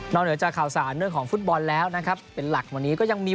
เหนือจากข่าวสารเรื่องของฟุตบอลแล้วนะครับเป็นหลักวันนี้ก็ยังมี